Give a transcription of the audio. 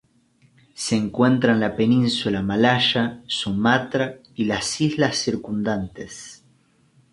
Se encuentra en la península malaya, Sumatra y las islas circundantes.